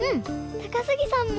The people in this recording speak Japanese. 高杉さんも？